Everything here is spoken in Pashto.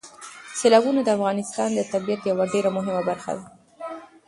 سیلابونه د افغانستان د طبیعت یوه ډېره مهمه برخه ده.